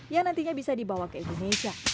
yang nantinya bisa dibawa ke indonesia